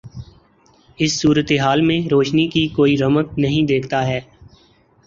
اس کی صورت حال میں روشنی کی کوئی رمق نہیں دیکھتا ہے۔